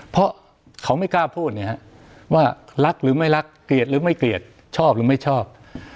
เพราะเขาไม่กล้าพูดเนี่ยฮะว่ารักหรือไม่รักเกลียดหรือไม่เกลียดชอบหรือไม่ชอบ